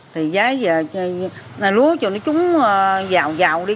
thì giá giờ là lúa cho nó trúng giàu giàu đi